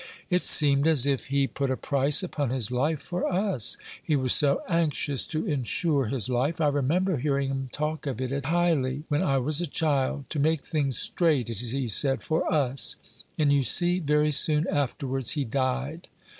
It seemed as if he put a price upon his life for us. He was so anxious to insure his life I remember hearing him talk of it at Hyley, when I was a child to make things straight, as he said, for us; and, you see, very soon afterwards he died."